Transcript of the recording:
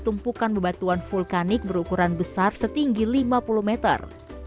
tumpukan bebatuan vulkanik berukuran besar setinggi lima puluh meter